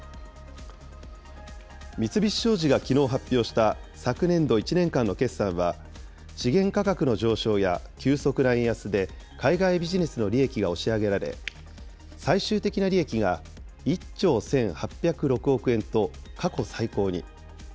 三菱商事がきのう発表した、昨年度１年間の決算は資源価格の上昇や、急速な円安で海外ビジネスの利益が押し上げられ、最終的な利益が１兆１８０６億円と過去最高に。